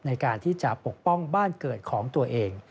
ในการที่จะปกป้องบ้านเกิดของตัวเอง